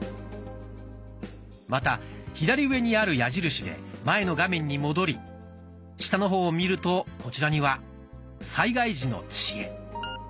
また左上にある矢印で前の画面に戻り下の方を見るとこちらには「災害時の知恵」。